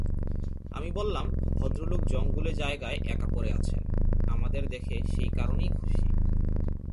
আমি বললাম, ভদ্রলোক জঙ্গুলে জায়গায় একা পড়ে আছেন-আমাদের দেখে সেই কারণেই খুশি।